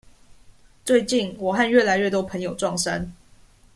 最近，我和越來越多朋友撞衫